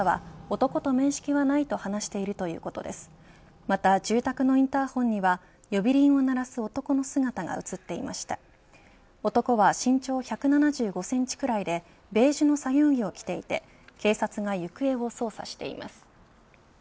男は身長１７５センチくらいでベージュの作業着を着ていて警察が行方を捜査しています。